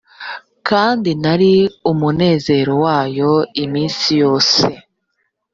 kandi nari umunezero wayo iminsi yose